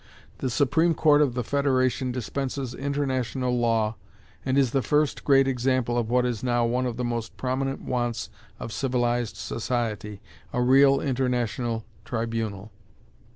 The Supreme Court of the federation dispenses international law, and is the first great example of what is now one of the most prominent wants of civilized society, a real international tribunal.